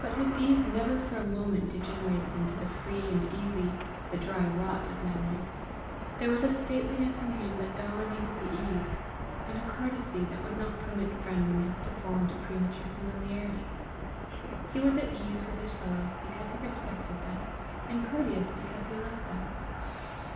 But his ease never for a moment degenerated into the free and easy, the dry rot of manners; there was a stateliness in him that dominated the ease, and a courtesy that would not permit frendliness to fall into premature familiarity. He was at ease with his fellows because he respected them, and courteous because he loved them.